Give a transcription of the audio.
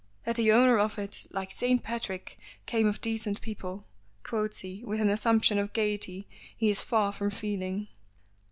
"That the owner of it, like St. Patrick, came of decent people," quotes he with an assumption of gaiety he is far from feeling.